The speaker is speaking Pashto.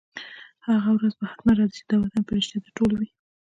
هغه ورځ به حتماً راځي، چي دا وطن به رشتیا د ټولو وي